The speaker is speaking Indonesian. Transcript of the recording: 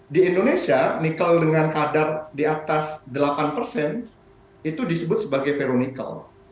di indonesia nikel dengan kadar di atas delapan persen itu disebut sebagai veronical